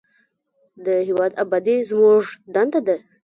د هیواد ابادي زموږ دنده ده